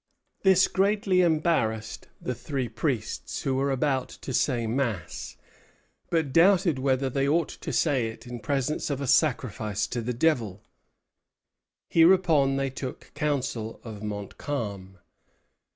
This greatly embarrassed the three priests, who were about to say Mass, but doubted whether they ought to say it in presence of a sacrifice to the devil. Hereupon they took counsel of Montcalm.